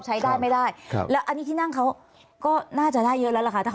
ใช้ได้ไม่ได้แล้วอันนี้ที่นั่งเขาก็น่าจะได้เยอะแล้วล่ะค่ะ